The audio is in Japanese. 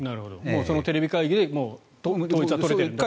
そのテレビ会議で統一は取れていると。